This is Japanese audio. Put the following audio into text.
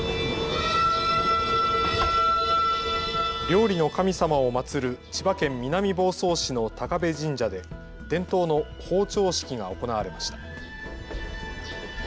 料理の神様を祭る千葉県南房総市の高家神社で伝統の庖丁式が行われました。